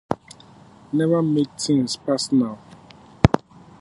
Never make things personal.